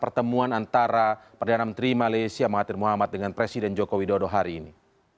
pertemuan antara perdana menteri malaysia mahathir muhammad dengan presiden joko widodo hari ini